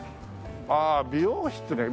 ああ美容室ね